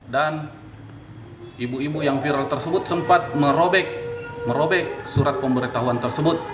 dan ibu ibu yang viral tersebut sempat merobek surat pemberitahuan tersebut